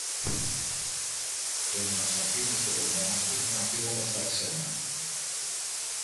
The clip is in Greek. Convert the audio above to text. Και να μας αφήνεις ολομόναχους να φύγομε στα ξένα!